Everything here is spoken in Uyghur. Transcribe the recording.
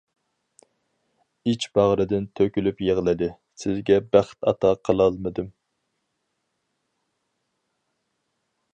ئىچ باغرىدىن تۆكۈلۈپ يىغلىدى:-سىزگە بەخت ئاتا قىلالمىدىم.